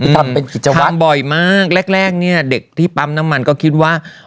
ทำเป็นกิจวัตรบ่อยมากแรกแรกเนี่ยเด็กที่ปั๊มน้ำมันก็คิดว่า